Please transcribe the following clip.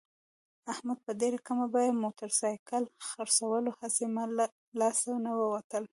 احمد په ډېره کمه بیه موټرسایکل خرڅولو، هسې مه له لاس نه ووتلو.